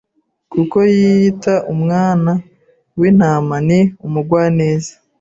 Kuko yiyita Umwana wintama Ni umugwaneza